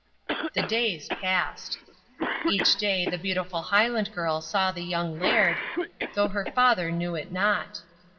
The days passed. Each day the beautiful Highland girl saw the young Laird, though her father knew it not.